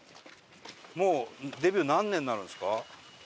もうデビュー何年になるんですか？